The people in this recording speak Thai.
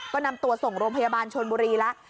ก็นำตัวส่งโรงพยาบาลชนบุรีแล้ว